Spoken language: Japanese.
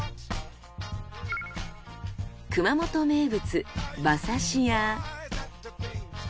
熊本名物馬刺しや。